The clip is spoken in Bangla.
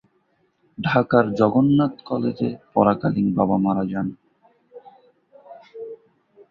ঢাকার জগন্নাথ কলেজে পড়াকালীন বাবা মারা যান।